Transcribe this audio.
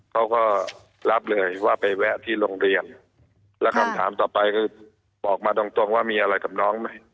เขาก็รับเลยว่าไปแวะที่โรงเรียนแล้วคำถามต่อไปคือบอกมาตรงตรงว่ามีอะไรกับน้องไหม